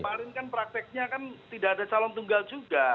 kemarin kan prakteknya kan tidak ada calon tunggal juga